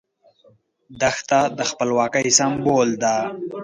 دښته د خپلواکۍ سمبول ده.